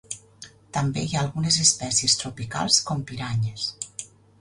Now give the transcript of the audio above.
També hi ha algunes espècies tropicals com piranyes.